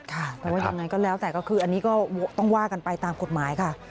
แต่ว่ายังไงก็แล้วแต่ก็คืออันนี้ก็ต้องว่ากันไปตามกฎหมายค่ะ